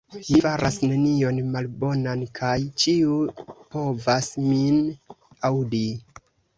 Mi faras nenion malbonan, kaj ĉiu povas min aŭdi.